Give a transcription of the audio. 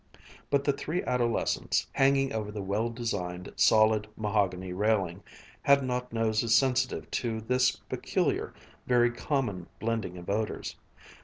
But the three adolescents, hanging over the well designed solid mahogany railing, had not noses sensitive to this peculiar, very common blending of odors.